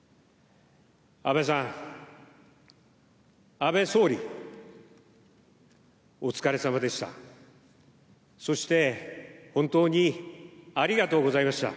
安倍さん、安倍総理、お疲れさまでした。